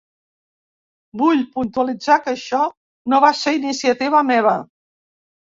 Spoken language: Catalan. Vull puntualitzar que això no va ser iniciativa meva.